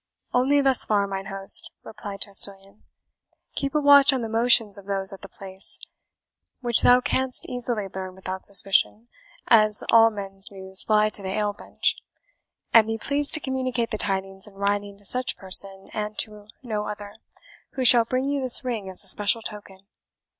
"Only thus far, mine host," replied Tressilian "keep a watch on the motions of those at the Place, which thou canst easily learn without suspicion, as all men's news fly to the ale bench; and be pleased to communicate the tidings in writing to such person, and to no other, who shall bring you this ring as a special token.